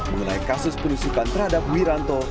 mengenai kasus penusukan terhadap wiranto